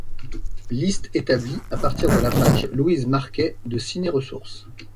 Liste établie à partir de la page Louise Marquet de Ciné-Ressources.